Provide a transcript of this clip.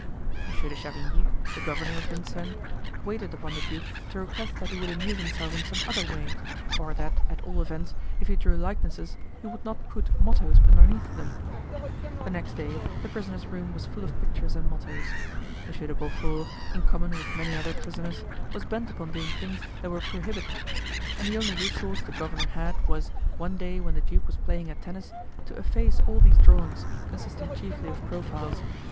Monsieur de Chavigny, the governor of Vincennes, waited upon the duke to request that he would amuse himself in some other way, or that at all events, if he drew likenesses, he would not put mottoes underneath them. The next day the prisoner's room was full of pictures and mottoes. Monsieur de Beaufort, in common with many other prisoners, was bent upon doing things that were prohibited; and the only resource the governor had was, one day when the duke was playing at tennis, to efface all these drawings, consisting chiefly of profiles.